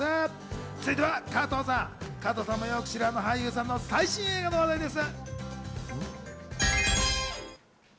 続いては加藤さん、よく知るあの俳優さんの最新映画の話題です。